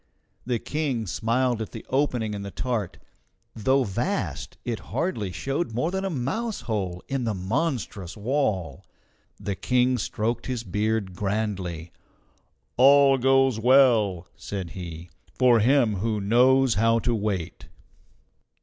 The King smiled at the opening in the tart; though vast, it hardly showed more than a mouse hole in the monstrous wall. The King stroked his beard grandly. "All goes well," said he, "for him who knows how to wait."